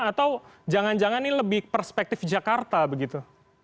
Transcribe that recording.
atau jangan jangan ini lebih perspektif jakarta begitu